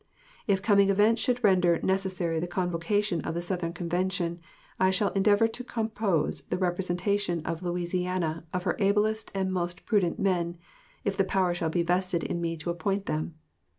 If coming events should render necessary the convocation of the Southern Convention, I shall endeavor to compose the representation of Louisiana of her ablest and most prudent men, if the power shall be vested in me to appoint them.